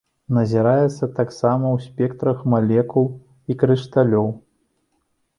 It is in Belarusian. Назіраецца таксама ў спектрах малекул і крышталёў.